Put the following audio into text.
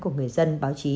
của người dân báo chí